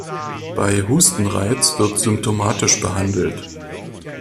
Bei Hustenreiz wird symptomatisch behandelt.